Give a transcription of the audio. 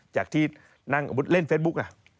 จากที่นั่งสมมุติเล่นเฟซบุ๊กอ่ะ